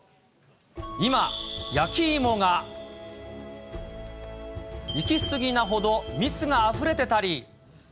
今、焼きいもが、いきすぎなほど蜜があふれてたり。